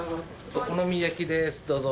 お好み焼きですどうぞ。